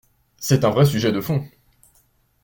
C’est un vrai sujet de fond.